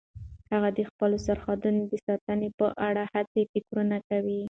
هغه د خپلو سرحدونو د ساتنې په اړه هیڅ فکر نه کاوه.